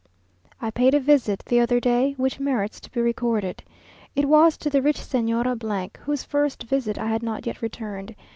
I paid a visit the other day, which merits to be recorded. It was to the rich Señora , whose first visit I had not yet returned.